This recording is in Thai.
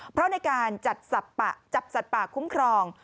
เพราะในการจัดสัตว์ป่าคุ้มครอง